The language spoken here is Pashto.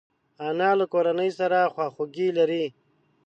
انا له کورنۍ سره خواخوږي لري